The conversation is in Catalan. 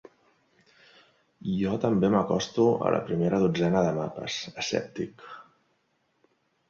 Jo també m'acosto a la primera dotzena de mapes, escèptic.